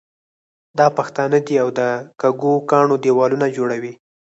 دا پښتانه دي او د کږو کاڼو دېوالونه جوړوي.